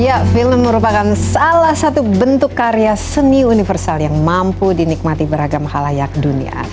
ya film merupakan salah satu bentuk karya seni universal yang mampu dinikmati beragam halayak dunia